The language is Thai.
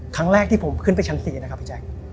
ครั้งแรกที่ผมขึ้นไปชั้น๔นะครับพี่แจ๊ค